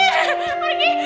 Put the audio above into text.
kita ke pondok pelita